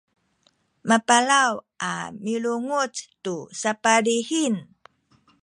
mapalaw a milunguc tu sapadihing